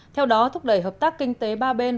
theo đó thúc đẩy hợp tác kinh tế ba bên